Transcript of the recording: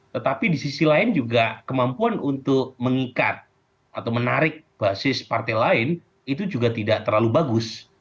tetapi di sisi lain juga kemampuan untuk mengikat atau menarik basis partai lain itu juga tidak terlalu bagus